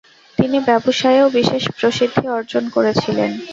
তিনি ব্যবসায়েও বিশেষ প্রসিদ্ধি অর্জন করেছিলেন।